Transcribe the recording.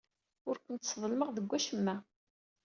Ur kent-sḍelmeɣ deg wacemma.